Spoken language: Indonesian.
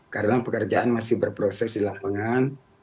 karena pekerjaan masih berproses di lapangan